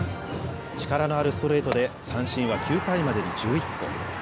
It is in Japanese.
力のあるストレートで三振は９回までに１１個。